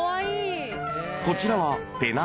［こちらは］